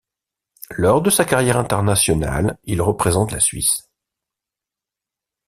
Lors de sa carrière internationale, il représente la Suisse.